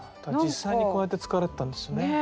実際にこうやって使われてたんですよね。